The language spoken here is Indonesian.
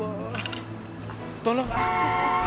ya allah tolong aku